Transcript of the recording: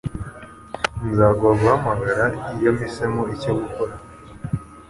Nzaguha guhamagara iyo mpisemo icyo gukora.